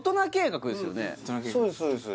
そうです